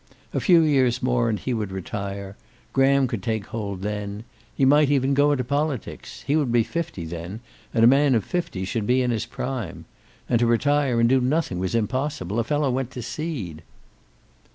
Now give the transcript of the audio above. A few years more and he would retire. Graham could take hold then. He might even go into politics. He would be fifty then, and a man of fifty should be in his prime. And to retire and do nothing was impossible. A fellow went to seed.